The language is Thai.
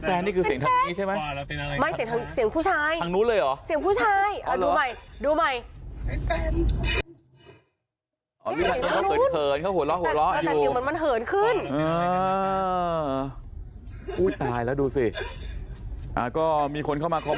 เมื่อกี้ใครพูดว่าเป็นแฟน